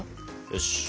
よし。